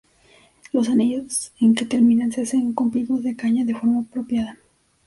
Los anillos en que terminan se hacen con picos de caña de forma apropiada.